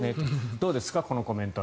どうですか、このコメントは。